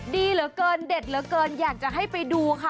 ดีเหลือเกินเด็ดเหลือเกินอยากจะให้ไปดูค่ะ